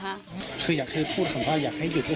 คืออยากให้พูดของเขาอยากให้หยุด